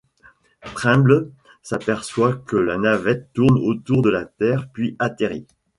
Trimble s'aperçoit que la navette tourne autour de la Terre puis atterrit.